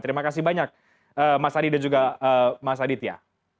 terima kasih banyak mas adi dan juga mas aditya